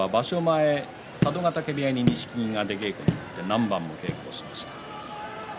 前佐渡ヶ嶽部屋に錦木が、出稽古に行って何番も稽古をしました。